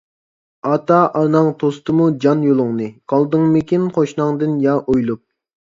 ئاتا-ئاناڭ توستىمۇ جان يولۇڭنى، قالدىڭمىكىن قوشناڭدىن يا ئويۇلۇپ.